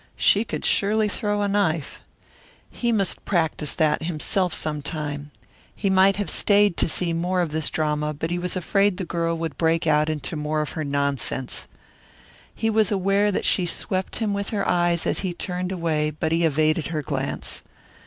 She could surely throw a knife. He must practise that himself sometime. He might have stayed to see more of this drama but he was afraid the girl would break out into more of her nonsense. He was aware that she swept him with her eyes as he turned away but he evaded her glance.